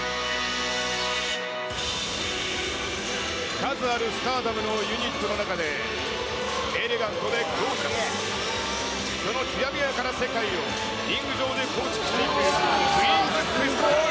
数あるスターダムのユニットの中で、エレガントでゴージャス、そのきらびやかな世界をリング上で構築していくクイーンズクエスト。